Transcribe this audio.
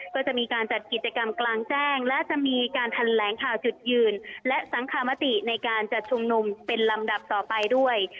ก็จะมีการจัดกิจกรรมกลางแจ้งและจะมีการแถลงข่าวจุดยืนและสังคมติในการจัดชุมนุมเป็นลำดับต่อไปด้วย